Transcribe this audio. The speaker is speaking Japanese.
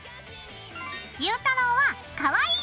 ゆうたろうはかわいい！